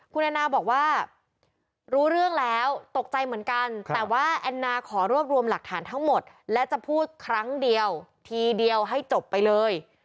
คุณแอนนาบอกว่ารู้เรื่องแล้วตกใจเหมือนกันแต่ว่าแอนนาขอรวบรวมหลักฐานทั้งหมดและจะพูดครั้งเดียวทีเดียวให้จบไปเลย